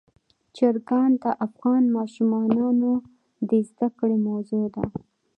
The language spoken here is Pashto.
چرګان د افغان ماشومانو د زده کړې موضوع ده.